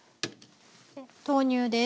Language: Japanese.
豆乳です。